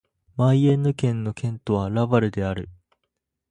マイエンヌ県の県都はラヴァルである